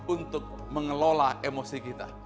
untuk mengelola emosi kita